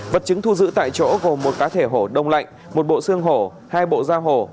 vật chứng thu giữ tại chỗ gồm một cá thể hổ đông lạnh một bộ xương hổ hai bộ gia hồ